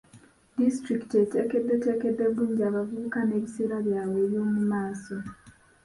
Disitulikiti eteekeddeteekedde bulungi abavubuka n'ebiseera byabwe eby'omu maaso.